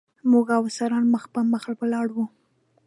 موږ او افسران مخ په مخ ولاړ و.